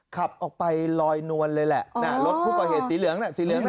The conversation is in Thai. ขับออกไปลอยนวนเลยแหละรถผู้ก่อเหตุสีเหลืองน่ะ